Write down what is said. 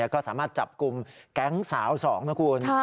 ก็สามารถจับกลุ่มแก๊งสาว๒นะคุณ